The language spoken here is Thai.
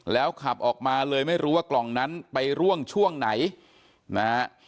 แล้วขับออกมาเลยไม่รู้ว่ากล่องนั้นไปร่วงช่วงไหนนะฮะ